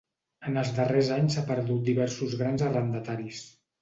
En els darrers anys ha perdut diversos grans arrendataris.